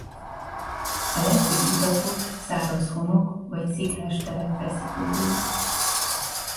A legtöbb itatót száraz homok vagy sziklás terep veszi körül.